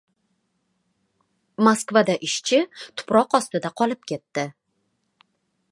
Moskvada ishchi tuproq ostida qolib ketdi